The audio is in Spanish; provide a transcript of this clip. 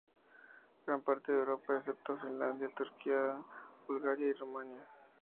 Gran parte de Europa, excepto Finlandia, Turquía, Bulgaria y Rumanía.